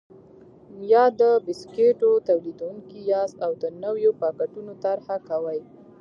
یا د بسکېټو تولیدوونکي یاست او د نویو پاکټونو طرحه کوئ.